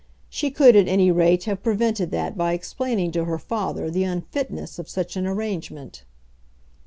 She could at any rate have prevented that by explaining to her father the unfitness of such an arrangement.